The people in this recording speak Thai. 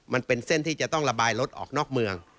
มันเป็นเส้นที่จะต้องระบายรถออกนอกเมือง